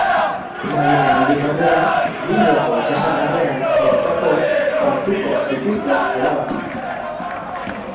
Baina handik aurrera, Bilboko itsasadarrean bertakoek hartuko zituzten erabakiak.